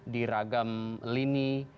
di ragam lini